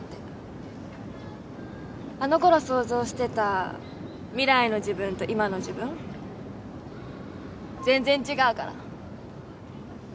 あのころ想像してた未来の自分と今の自分全然違うから。